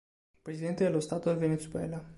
Presidente dello Stato del Venezuela